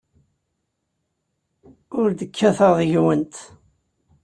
Ur d-kkateɣ deg-went.